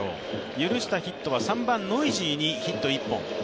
許したヒットは３番・ノイジーにヒット１本。